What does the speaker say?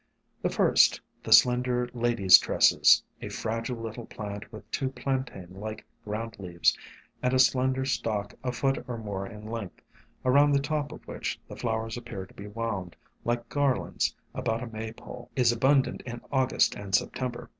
The first, the Slender Ladies' Tresses, a fragile little plant with two plantain like ground leaves, and a slender stalk a foot or more in length, around the top of which the flowers appear to be wound, like garlands about a May pole, is abundant in August and September.